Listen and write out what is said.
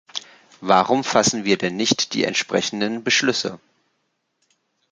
Warum fassen wir denn nicht die entsprechenden Beschlüsse?